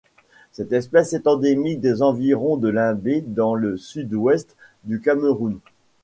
Cette espèce est endémique des environs de Limbé dans le Sud-Ouest du Cameroun.